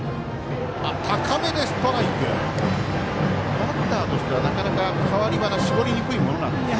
バッターとしては、なかなか代わりっぱな絞りにくいものなんですか。